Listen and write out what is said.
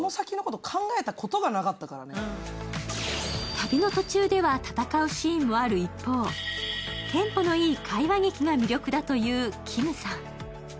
旅の途中では戦うシーンもある一方、テンポのいい会話劇が魅力だというきむさん。